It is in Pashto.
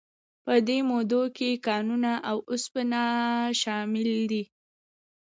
په دې موادو کې کانونه او اوسپنه شامل دي.